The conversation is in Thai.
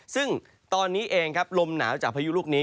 ซึ่งตอนนี้เองครับลมหนาวจากพายุลูกนี้